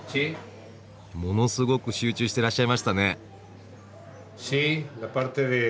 ものすごく集中してらっしゃいましたね。